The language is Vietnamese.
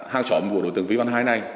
hàng xóm của đội tưởng vi văn hai này